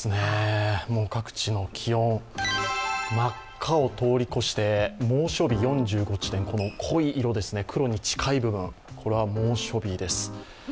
各地の気温、真っ赤を通り越して猛暑日４５地点、濃い色、黒に近い部分これは猛暑日です。